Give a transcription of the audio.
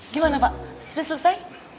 gimana pak sudah selesai